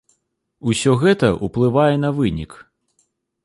Усё гэта ўплывае на вынік.